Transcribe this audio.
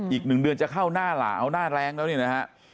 อีก๑เดือนจะเข้าหน้าหลาวหน้าแรงแล้วเนี่ยนะฮะ